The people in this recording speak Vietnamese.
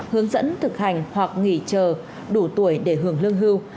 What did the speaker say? hướng dẫn thực hành hoặc nghỉ chờ đủ tuổi để hưởng lương hưu